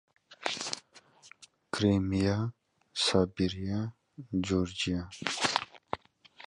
Crimea, Siberia, Georgia.